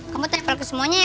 kamu travel ke semuanya ya